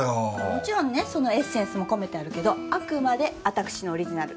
もちろんねそのエッセンスも込めてあるけどあくまで私のオリジナル。